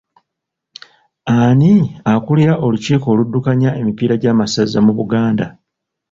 Ani akulira olukiiko oluddukanya emipiira gya masaza mu Buganda?